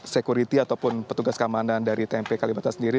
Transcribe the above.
security ataupun petugas keamanan dari tmp kalibata sendiri